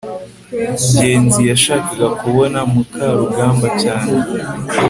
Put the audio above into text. ngenzi yashakaga kubona mukarugambwa cyane